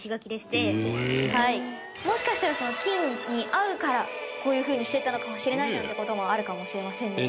もしかしたら金に合うからこういう風にしてたのかもしれないなんて事もあるかもしれませんね。